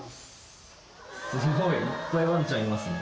すごいいっぱいワンちゃんいますね。